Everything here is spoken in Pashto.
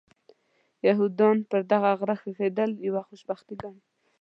یهودان پر دې غره ښخېدل یوه خوشبختي ګڼي.